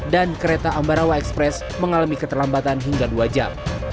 dan kereta ambarawa express mengalami keterlambatan hingga dua jam